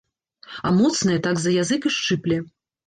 А моцная, так за язык і шчыпле.